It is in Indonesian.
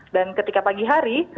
dan ketika pagi hari